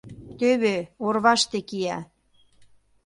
— Тӧвӧ, орваште кия.